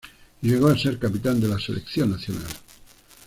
Llegó a ser capitán de la selección nacional.